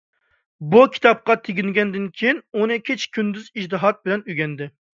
بۇ كىتابقا تېگىنگەندىن كېيىن، ئۇنى كېچە - كۈندۈز ئىجتىھات بىلەن ئۆگەندى.